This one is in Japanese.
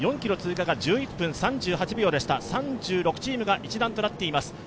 ４ｋｍ通過が１１分３８秒でした、３６チームが一団となっています。